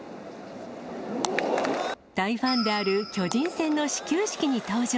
大ファンである巨人戦の始球式に登場。